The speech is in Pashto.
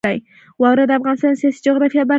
واوره د افغانستان د سیاسي جغرافیه برخه ده.